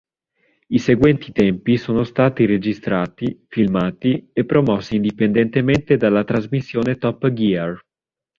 I seguenti tempi sono stati registrati, filmati e promossi indipendentemente dalla trasmissione Top Gear.